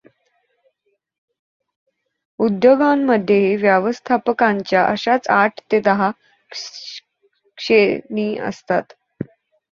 उद्योगांमध्येही व्यवस्थापकांच्याअशाच आठ ते दहा श्रेणी असत.